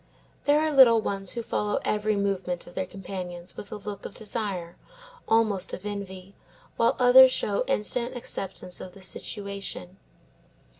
There are little ones who follow every movement of their companions with a look of desire, almost of envy, while others show instant acceptance of the situation.